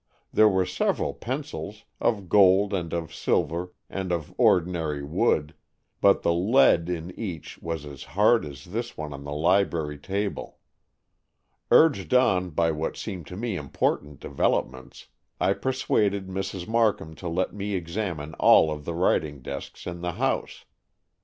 There were several pencils, of gold and of silver and of ordinary wood, but the lead in each was as hard as this one on the library table. Urged on by what seemed to me important developments, I persuaded Mrs. Markham to let me examine all of the writing desks in the house.